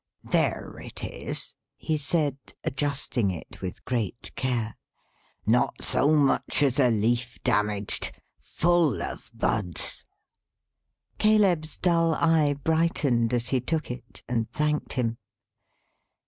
"There it is!" he said, adjusting it with great care. "Not so much as a leaf damaged. Full of Buds!" Caleb's dull eye brightened, as he took it, and thanked him.